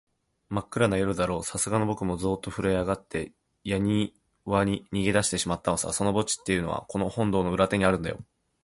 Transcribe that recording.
まっくらな夜だろう、さすがのぼくもゾーッとふるえあがって、やにわに逃げだしてしまったのさ。その墓地っていうのは、この本堂の裏手にあるんだよ。